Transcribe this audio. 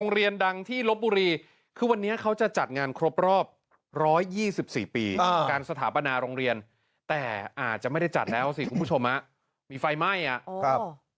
โรงเรียนดังที่ลบบุรีคือวันนี้เขาจะจัดงานครบรอบ๑๒๔ปีการสถาปนาโรงเรียนแต่อาจจะไม่ได้จัดแล้วสิคุณผู้ชมมีไฟไหม้อ่ะ